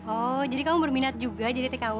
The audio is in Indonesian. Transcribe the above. oh jadi kamu berminat juga jadi tku